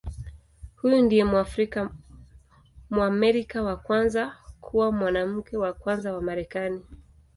Huyu ndiye Mwafrika-Mwamerika wa kwanza kuwa Mwanamke wa Kwanza wa Marekani.